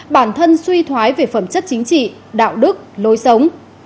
bản thân suy thoái về phẩm chất chính trị đạo đức lối sống